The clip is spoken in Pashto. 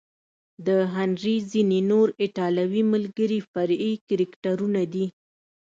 د هنري ځینې نور ایټالوي ملګري فرعي کرکټرونه دي.